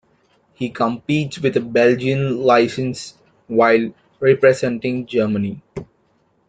He competes with a Belgian licence, while representing Germany.